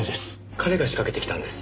彼が仕掛けてきたんです。